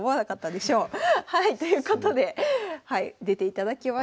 ということで出ていただきました。